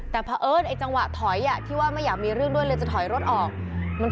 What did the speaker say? แต่นับท้อนจังหวะถอยที่ไม่อยากมีเรื่องด้วยก็เลยจะถอยรถออกมันพลาด